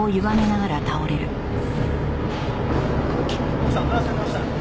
奥さんどないされました？